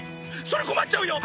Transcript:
それ困っちゃうよ！